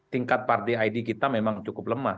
tingkat party id kita memang cukup lemah